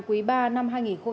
quý ba năm hai nghìn một mươi chín